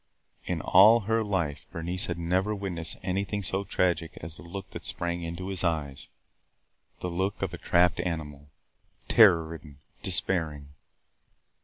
In all her life Bernice had never witnessed anything so tragic as the look that sprang into his eyes – the look of a trapped animal, terror ridden, despairing.